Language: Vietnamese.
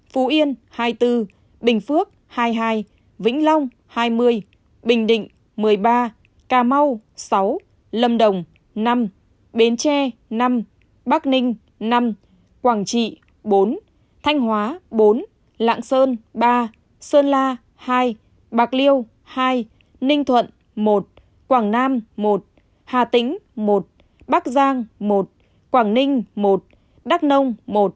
phú yên hai mươi bốn bình phước hai mươi hai vĩnh long hai mươi bình định một mươi ba cà mau sáu lâm đồng năm bến tre năm bắc ninh năm quảng trị bốn thanh hóa bốn lạng sơn ba sơn la hai bạc liêu hai ninh thuận một quảng nam một hà tĩnh một bắc giang một quảng ninh một đắk nông một